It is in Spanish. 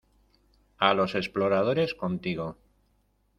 a los exploradores contigo.